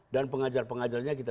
dan pengajar pengajarnya kita